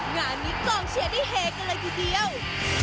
งานนี้กองเชียร์ได้เฮกันเลยทีเดียว